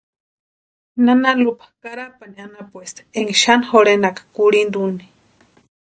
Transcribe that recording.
Nana Lupa Carapani anapuesti énka xani jorhenaka kurhinta úni.